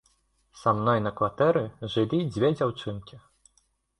Са мной на кватэры жылі дзве дзяўчынкі.